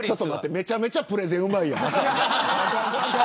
めちゃめちゃプレゼンうまいやん。